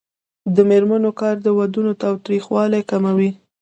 د میرمنو کار د ودونو تاوتریخوالی کموي.